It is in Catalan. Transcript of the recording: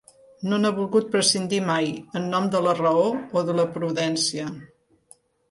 No n'ha volgut prescindir mai en nom de la raó o de la prudència.